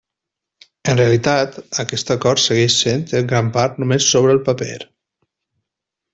En realitat, aquest acord segueix sent en gran part només sobre el paper.